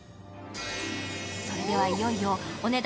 それでは、いよいよお値段